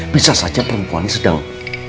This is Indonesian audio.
bisa saja perempuannya sedang